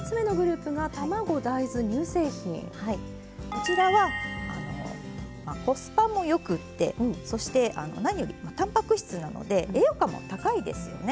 こちらはコスパもよくってそして何よりたんぱく質なので栄養価も高いですよね。